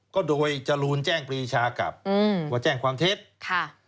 ก็โดยจรูนแจ้งปรีชากลับอืมว่าแจ้งความเท็จค่ะ